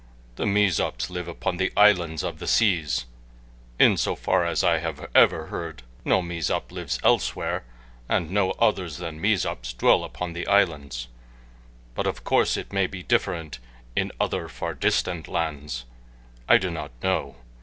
The Mezops live upon the islands of the seas. In so far as I ever have heard no Mezop lives elsewhere, and no others than Mezops dwell upon islands, but of course it may be different in other far distant lands. I do not know.